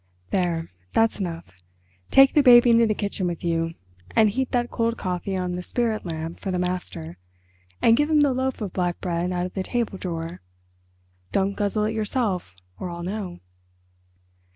"There, that's enough. Take the baby into the kitchen with you, and heat that cold coffee on the spirit lamp for the master, and give him the loaf of black bread out of the table drawer. Don't guzzle it yourself or I'll know."